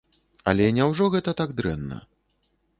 Але няўжо гэта так дрэнна?